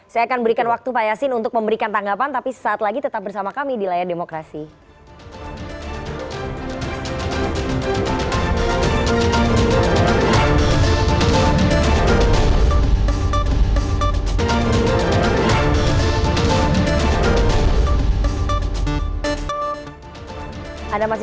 saya akan berikan waktu pak yassin untuk memberikan tanggapan tapi saat lagi tetap bersama kami di layar demokrasi